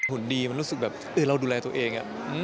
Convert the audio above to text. หุ่นดีมันรู้สึกแบบเราดูแลตัวเอง